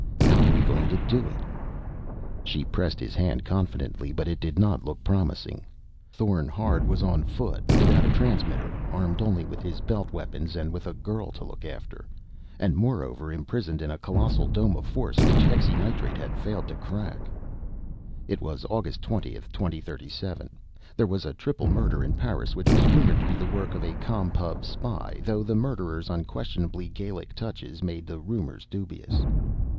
How are we going to do it?" She pressed his hand confidently, but it did not look promising. Thorn Hard was on foot, without a transmitter, armed only with his belt weapons and with a girl to look after, and moreover imprisoned in a colossal dome of force which hexynitrate had failed to crack.... It was August 20, 2037. There was a triple murder in Paris which was rumored to be the work of a Com Pub spy, though the murderer's unquestionably Gallic touches made the rumor dubious.